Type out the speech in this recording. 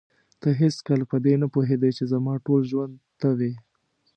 ته هېڅکله په دې نه پوهېدې چې زما ټول ژوند ته وې.